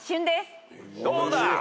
どうだ！？